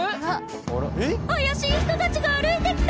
怪しい人たちが歩いてきた！